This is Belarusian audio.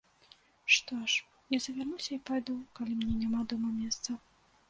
Што ж, я завярнуся і пайду, калі мне няма дома месца.